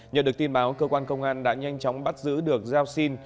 nhờ được tin báo cơ quan công an đã nhanh chóng bắt giữ được giao xin